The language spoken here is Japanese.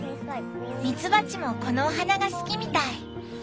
ミツバチもこのお花が好きみたい。